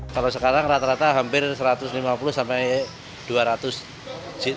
kalau sekarang rata rata hampir satu ratus lima puluh sampai dua ratus jit